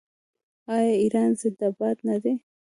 آیا ایران زنده باد نه دی؟